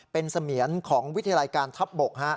เป็นเสมียนของวิทยาลัยการทัพบก